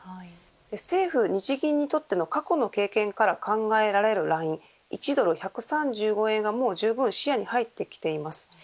政府、日銀にとっての過去の経験から考えられるライン、１ドル１３５円はもう、じゅうぶん視野に入ってきています。